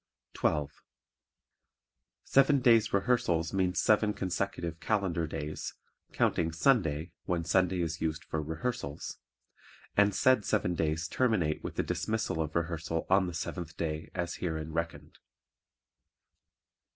12. Seven days' rehearsals means seven consecutive calendar days, counting Sunday (when Sunday is used for rehearsals), and said seven days terminate with the dismissal of rehearsal on the seventh day as herein reckoned.